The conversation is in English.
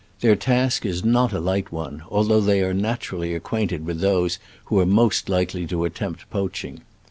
Their task is not a light one, although they are naturally acquainted with those who are most likely to attempt poaching.